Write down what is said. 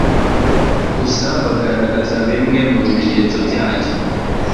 gusa bagaragaza bimwe mu bimenyetso byacyo